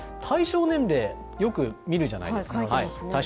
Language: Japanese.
対象年齢、よく見るじゃないですか。